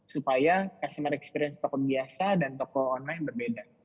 supaya customer experience toko biasa dan toko online berbeda